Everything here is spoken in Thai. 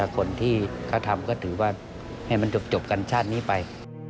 คนที่เขาทำก็ถือว่าให้มันจบกันชาตินี้ไป